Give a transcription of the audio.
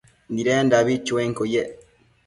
Nidendabi chuenquio yec